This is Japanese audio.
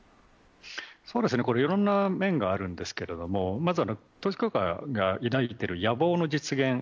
これ、いろんな面があるんですけれどもまずは、統一教会が抱いている野望の実現。